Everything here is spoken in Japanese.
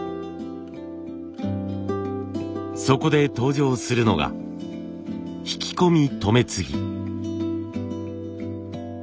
そこで登場するのが挽き込み留接ぎ。